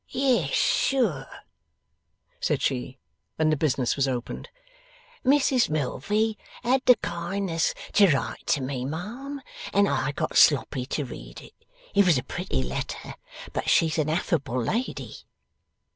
'Yes sure!' said she, when the business was opened, 'Mrs Milvey had the kindness to write to me, ma'am, and I got Sloppy to read it. It was a pretty letter. But she's an affable lady.